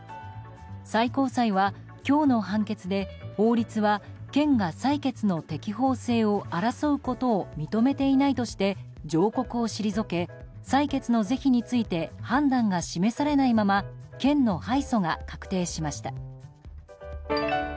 最高裁は今日の判決で法律は県が裁決の適法性を争うことを認めていないとして上告を退け裁決の是非について判断が示されないまま県の敗訴が確定しました。